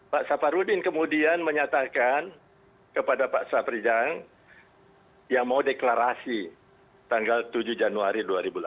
pak safarudin kemudian menyatakan kepada pak saprijang yang mau deklarasi tanggal tujuh januari dua ribu delapan belas